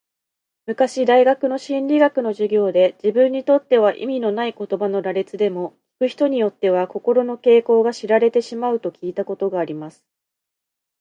昔大学の心理学の授業で、自分にとっては意味のない言葉の羅列でも、聞く人によっては、心の傾向が知られてしまうと聞いたことがあります。